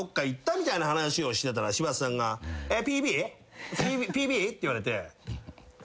みたいな話をしてたら柴田さんが。って言われて。